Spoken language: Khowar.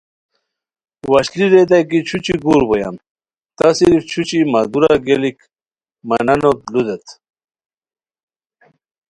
وشلی ریتائے کی چھوئے گور بویان تہ صرف چھوچی مہ دُوورہ گیلیک مہ نانوت لو دیت